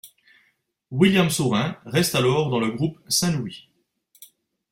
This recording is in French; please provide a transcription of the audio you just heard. William Saurin reste alors dans le groupe Saint-Louis.